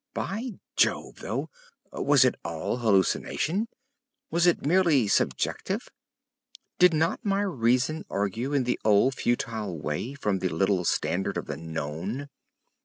By Jove, though, was it all hallucination? Was it merely subjective? Did not my reason argue in the old futile way from the little standard of the known?